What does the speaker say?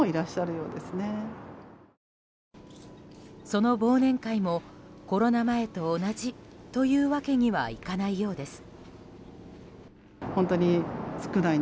その忘年会もコロナ前と同じというわけにはいかないようです。